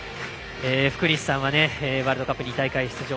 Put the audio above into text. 福西さんはワールドカップに２大会出場。